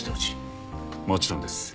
もちろんです。